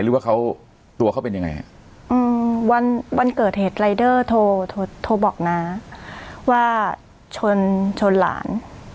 หรือว่าเขาตัวเขาเป็นยังไงวันเกิดเหตุรายเดอร์โทรบอกน้าว่าชนชนหลาน